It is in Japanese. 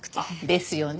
ですよね。